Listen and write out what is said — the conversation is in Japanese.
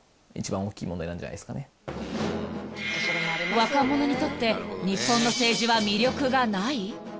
［若者にとって日本の政治は魅力がない？］